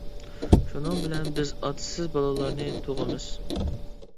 شۇنىڭ بىلەن بىز ئاتىسىز بالىلارنى تۇغىمىز.